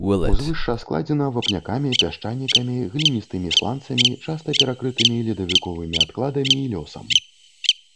Узвышша складзена вапнякамі, пясчанікамі, гліністымі сланцамі часта перакрытымі ледавіковымі адкладамі і лёсам.